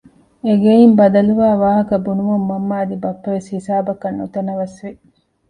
އެގެއިން ބަދަލުވާ ވާހަކަ ބުނުމުން މަންމަ އަދި ބައްޕަވެސް ހިސާބަކަށް ނުތަނަވަސްވި